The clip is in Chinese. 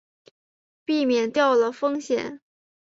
避免掉了风险